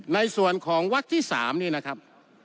ในส่วนของวักที่๓นี่นะครับ